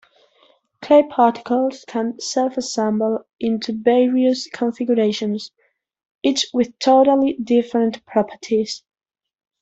Clay particles can self-assemble into various configurations, each with totally different properties.